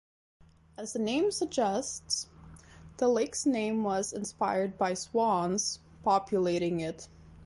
As the name suggests, the lake's name was inspired by swans populating it.